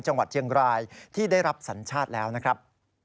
จังหวัดเชียงรายที่ได้รับสัญชาติแล้วนะครับ